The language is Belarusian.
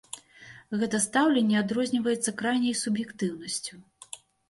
Гэта стаўленне адрозніваецца крайняй суб'ектыўнасцю.